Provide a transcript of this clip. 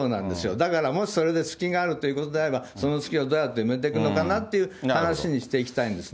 だから、もしそれで隙があるということであれば、その隙をどうやって埋めていくのかなっていう話にしていきたいんですね。